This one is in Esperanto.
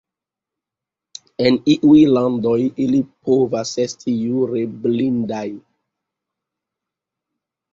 En iuj landoj ili povas esti jure blindaj.